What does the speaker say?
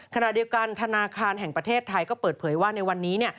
ขณะเดียวกันธนาคารแห่งประเทศไทยก็เปิดเผยว่าในวันนี้